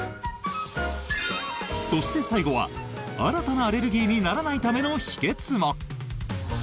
そして、最後は新たなアレルギーにならないための秘けつも！